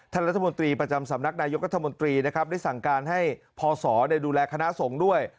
ธมประจำสำนักนายกธมได้สั่งการให้พศดูแลคณะสงฆ์ด้วย